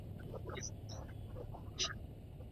په وزارتونو کي باید د مسؤلیت منلو روحیه شتون ولري.